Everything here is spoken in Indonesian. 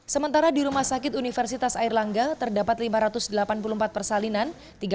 sementara di rumah sakit universitas airlangga terdapat lima ratus delapan puluh empat persalinan